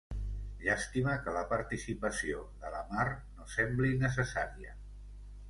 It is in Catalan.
Llàstima que la participació de la Mar no sembli necessària.